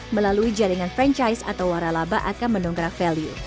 melalui jaringan franchise atau waralaba akan mendongkrak value